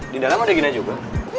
di dalam ada gina juga